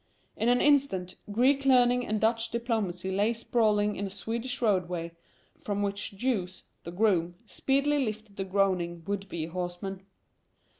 In an instant, Greek learning and Dutch diplomacy lay sprawling in a Swedish roadway, from which Jous, the groom, speedily lifted the groaning would be horseman.